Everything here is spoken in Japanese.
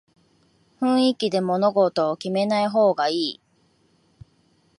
雰囲気で物事を決めない方がいい